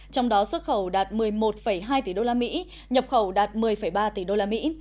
trong đó xuất khẩu đạt một mươi một hai tỷ đô la mỹ nhập khẩu đạt một mươi ba tỷ đô la mỹ